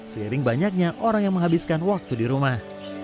seiring banyaknya orang yang menghabiskan waktu di rumah